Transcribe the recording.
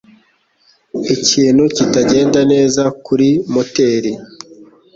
Ikintu kitagenda neza kuri moteri.